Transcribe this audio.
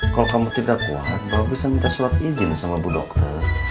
kalau kamu tidak kuat baru bisa minta surat izin sama bu dokter